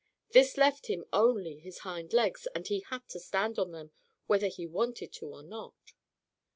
This left him only his hind legs, and he had to stand on them whether he wanted to or not.